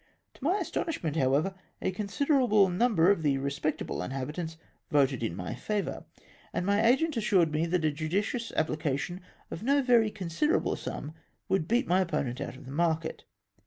To my astonishment, however, a considerable number of 180 NOVEL ELECTION TACTICS. the respectable inliabitants voted in my favour, and my agent assured me that a judicious apphcation of no very considerable sum, would beat my opponent out of the market.